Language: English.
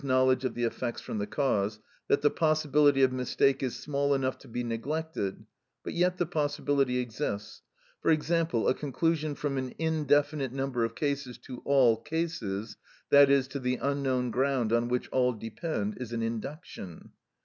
_, knowledge of the effects from the cause, that the possibility of mistake is small enough to be neglected, but yet the possibility exists; for example, a conclusion from an indefinite number of cases to all cases, i.e., to the unknown ground on which all depend, is an induction.